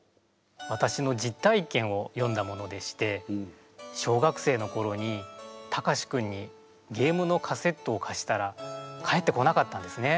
わたしの実体験を詠んだものでして小学生のころにタカシ君にゲームのカセットをかしたら返ってこなかったんですね。